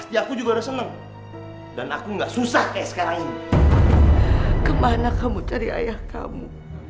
ibu kemana kamu cari ayah kamu